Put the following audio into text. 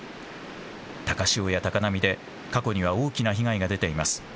高潮や高波で過去には大きな被害が出ています。